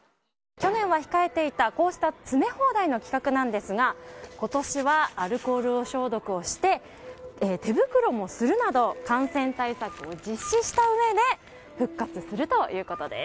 去年は控えていたこうした詰め放題の企画なんですが、ことしはアルコール消毒をして、手袋もするなど、感染対策を実施したうえで復活するということです。